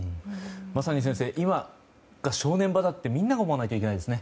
まさに先生今が正念場だとみんなが思わないといけないですね。